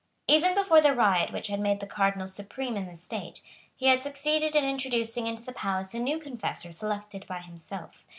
Even before the riot which had made the cardinal supreme in the state, he had succeeded in introducing into the palace a new confessor selected by himself.